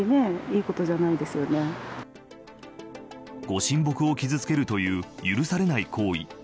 ご神木を傷つけるという許されない行為。